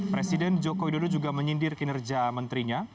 presiden jokowi dodo juga menyindir kinerja menterinya